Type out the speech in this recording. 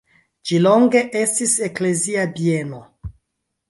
Ĝi longe estis eklezia bieno.